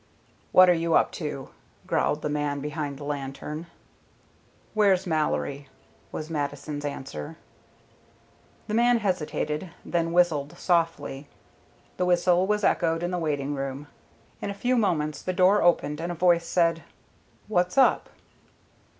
"What are you up to?" growled the man behind the lantern. "Where's Mallory?" was Mattison's answer. The man hesitated, then whistled softly. The whistle was echoed in the waiting room. In a few moments the door opened and a voice said, "What's up?"